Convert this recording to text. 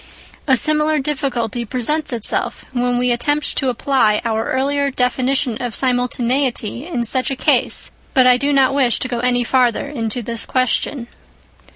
A similar difficulty presents itself when we attempt to apply our earlier definition of simultaneity in such a case, but I do not wish to go any farther into this question.